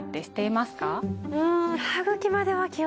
うん。